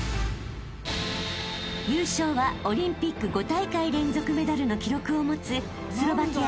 ［優勝はオリンピック５大会連続メダルの記録を持つスロバキアの］